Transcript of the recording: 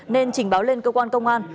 nên trình báo lên cơ quan công an